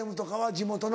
地元の。